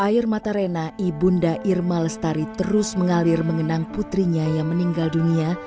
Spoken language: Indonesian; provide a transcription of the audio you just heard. air mata rena ibunda irma lestari terus mengalir mengenang putrinya yang meninggal dunia